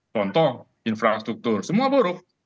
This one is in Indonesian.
contoh infrastruktur semua buruk